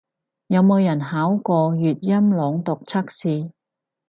有冇人考過粵音朗讀測試